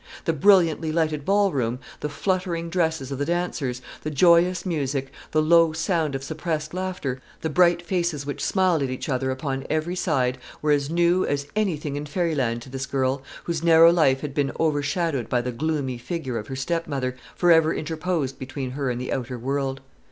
The brilliantly lighted ballroom, the fluttering dresses of the dancers, the joyous music, the low sound of suppressed laughter, the bright faces which smiled at each other upon every side, were as new as any thing in fairyland to this girl, whose narrow life had been overshadowed by the gloomy figure of her stepmother, for ever interposed between her and the outer world.